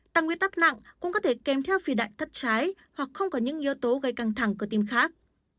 tăng nguyên tắc nặng cũng có thể kèm theo phi đại thất trái hoặc không có những yếu tố gây căng thẳng cơ tim khác